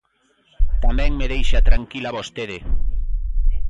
Tamén me deixa tranquila vostede.